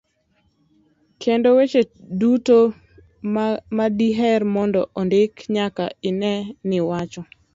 kendo weche duto madiher mondo ondiki nyaka ine ni iwacho.